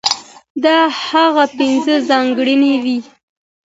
دا هغه پنځه ځانګړنې وې،